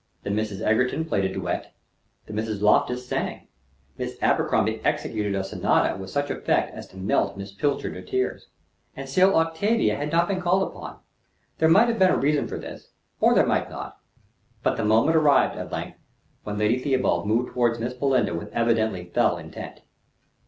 The Misses Egerton played a duet, the Misses Loftus sang, Miss Abercrombie "executed" a sonata with such effect as to melt Miss Pilcher to tears; and still Octavia had not been called upon. There might have been a reason for this, or there might not; but the moment arrived, at length, when Lady Theobald moved toward Miss Belinda with evidently fell intent.